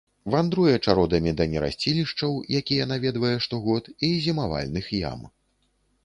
Вандруе чародамі да нерасцілішчаў, якія наведвае штогод, і зімавальных ям.